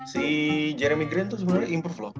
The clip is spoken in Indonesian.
si jeremy grant tuh sebenernya improve loh